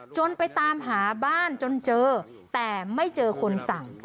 จนไปตามหาบ้านจนเจอแต่ไม่เจอคนสั่ง